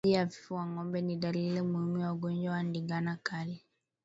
Upumuaji hafifu wa ngombe ni dalili muhimu ya ugonjwa wa ndigana kali